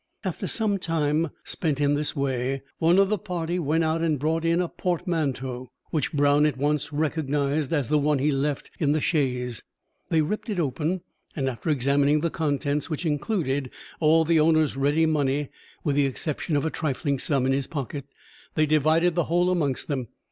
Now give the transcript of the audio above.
After some time spent in this way, one of the party went out and brought in a portmanteau, which Brown at once recognised as the one he had left in the chaise. They ripped it open, and after examining the contents, which included all the owner's ready money, with the exception of a trifling sum in his pocket, they divided the whole amongst them.